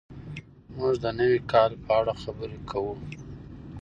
موږ د نوي کال په اړه خبرې کوو.